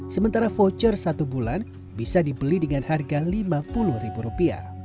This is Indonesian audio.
sementara voucher satu bulan bisa dibeli dengan harga rp lima puluh